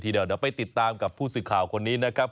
เดี๋ยวไปติดตามกับผู้สื่อข่าวคนนี้นะครับ